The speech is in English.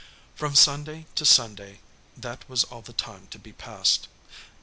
From Sunday to Sunday, that was all the time to be passed.